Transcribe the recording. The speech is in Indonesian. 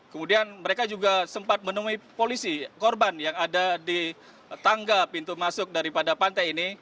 kemudian mereka juga sempat menemui polisi korban yang ada di tangga pintu masuk daripada pantai ini